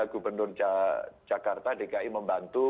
gubernur jakarta dki membantu